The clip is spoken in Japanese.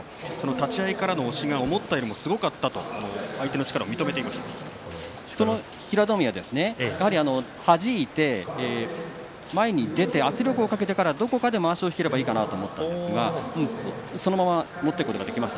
立ち合いからの押しが思ったよりもすごかったと相手のその平戸海、はじいて前に出て圧力をかけてからどこかでまわしを引ければいいかと思ったんですがそのまま持っていくことができました。